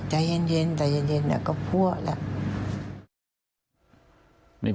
จะเย็นแต่เย็นอ่ะก็พั่วแล้ว